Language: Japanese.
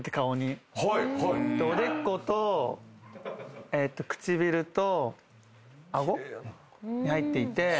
おでこと唇と顎に入っていて。